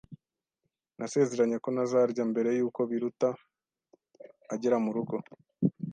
Nasezeranye ko ntazarya mbere yuko Biruta agera murugo.